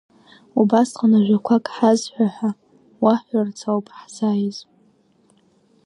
Убасҟан ажәақәак ҳазҳәа ҳәа уаҳҳәарц ауп ҳзааиз.